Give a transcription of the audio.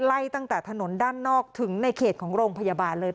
ไล่ตั้งแต่ถนนด้านนอกถึงในเขตของโรงพยาบาลเลย